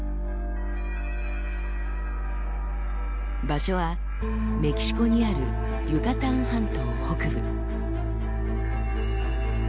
場所はメキシコにあるユカタン半島北部。